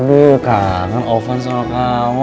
aduh kangen ovan soal kamu